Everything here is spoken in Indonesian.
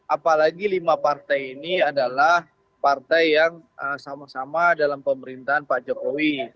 apalagi lima partai ini adalah partai yang sama sama dalam pemerintahan pak jokowi